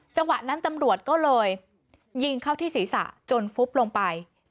จังหวะนั้นตำรวจก็เลยยิงเข้าที่ศีรษะจนฟุบลงไป